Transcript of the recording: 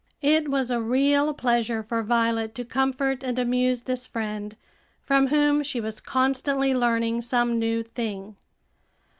It was a real pleasure for Violet to comfort and amuse this friend, from whom she was constantly learning some new thing.